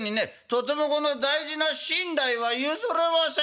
とてもこの大事な身代は譲れません！」。